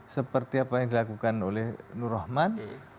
seperti apa yang dilakukan oleh nur rahman